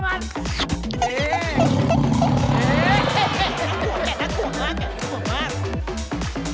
คิงรู้แบบน้ำแขวงมากแกร่งน้ำแขวงมาก